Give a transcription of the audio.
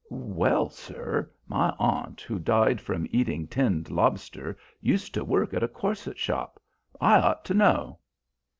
"Well, sir, my aunt who died from eating tinned lobster used to work at a corset shop. I ought to know."